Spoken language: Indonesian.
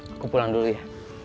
aku pulang dulu ya